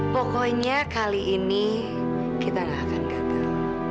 pokoknya kali ini kita gak akan datang